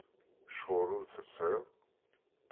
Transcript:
Ccɣel ur t-tesεiḍ?